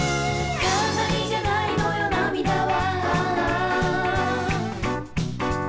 「ラララ」「飾りじゃないのよ涙は」